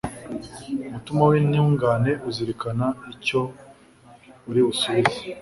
Umutima w’intungane uzirikana icyo uri busubize